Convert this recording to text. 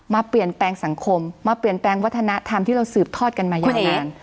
มาเปลี่ยนแปลงสังคมมาเปลี่ยนแปลงวัฒนธรรมที่เราสืบทอดกันมายาวนาน